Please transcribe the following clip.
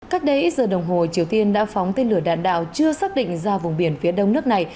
cách đây ít giờ đồng hồ triều tiên đã phóng tên lửa đạn đạo chưa xác định ra vùng biển phía đông nước này